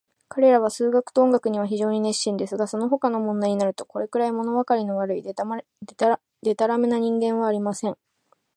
彼等は数学と音楽には非常に熱心ですが、そのほかの問題になると、これくらい、ものわかりの悪い、でたらめな人間はありません。